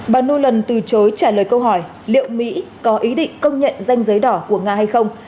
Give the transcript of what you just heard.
bà nulan từ chối trả lời câu hỏi liệu mỹ có ý định công nhận danh giấy đỏ của nga hay không